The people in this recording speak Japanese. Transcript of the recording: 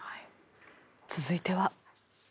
続いては。